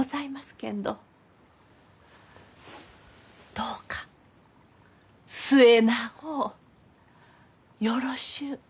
けんどどうか末永うよろしゅう